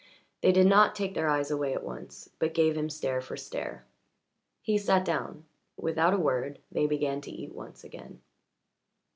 They did not take their eyes away at once but gave him stare for stare. He sat down; without a word they began to eat once again.